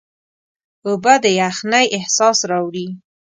اوبه د یخنۍ احساس راوړي.